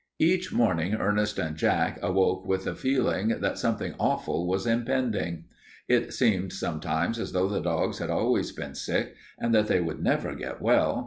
Each morning Ernest and Jack awoke with a feeling that something awful was impending. It seemed sometimes as though the dogs had always been sick and that they would never get well.